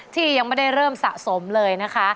ที่ยังไม่ได้เริ่มสะสมเลยนะคะ